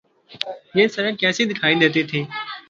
یہ سڑک کیسی دکھائی دیتی تھی۔